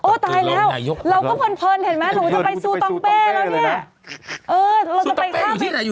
โอ้ตายแล้วเราก็เพลินเห็นไหมถูกว่าจะไปซูตองเป้แล้วเนี่ย